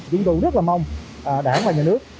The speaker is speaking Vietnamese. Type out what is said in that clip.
chúng tôi rất là mong đảng và nhà nước